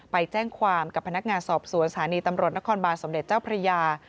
ไปแจ้งความกับพนักงานสอบสวนสถานีตำรวจนครบานสมเด็จเจ้าพระยา